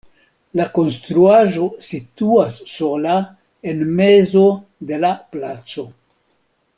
La konstruaĵo situas sola en mezo de la placo.